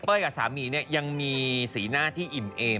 กับสามีเนี่ยยังมีสีหน้าที่อิ่มเอม